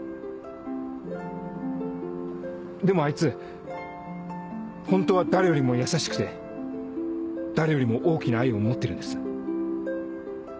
でもあいつホントは誰よりも優しくて誰よりも大きな愛を持ってるんです。